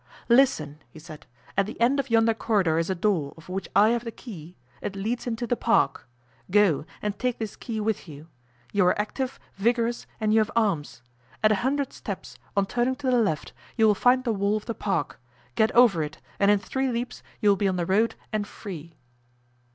"Listen," he said; "at the end of yonder corridor is a door, of which I have the key, it leads into the park. Go, and take this key with you; you are active, vigorous, and you have arms. At a hundred steps, on turning to the left, you will find the wall of the park; get over it, and in three leaps you will be on the road and free."